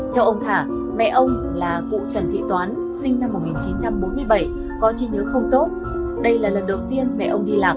theo ông thả mẹ ông là cụ trần thị toán sinh năm một nghìn chín trăm bốn mươi bảy có trí nhớ không tốt đây là lần đầu tiên mẹ ông đi làm